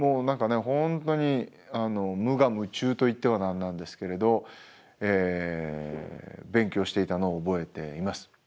本当に無我夢中と言っては何なんですけれど勉強していたのを覚えています。